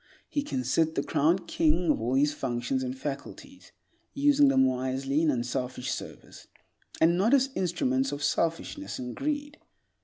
He can sit the crowned king of all his functions and faculties, using them wisely in unselfish service, and not as instruments of selfishness and greed.